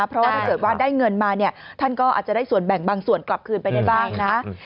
เพราะว่าถ้าเกิดว่าได้เงินมาเนี่ยท่านก็อาจจะได้ส่วนแบ่งบางส่วนกลับคืนไปได้บ้างนะ